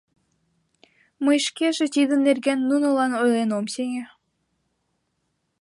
Мый шкеже тидын нерген нунылан ойлен ом сеҥе.